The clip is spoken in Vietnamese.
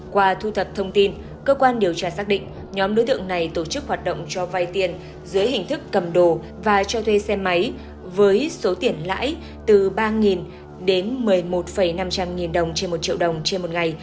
qua thu thập thông tin cơ quan điều tra xác định nhóm đối tượng này tổ chức hoạt động cho vai tiền dưới hình thức cầm đồ và cho thuê xe máy với số tiền lãi từ ba đến một mươi một năm trăm linh nghìn đồng trên một triệu đồng trên một ngày